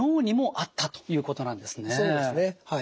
そうですねはい。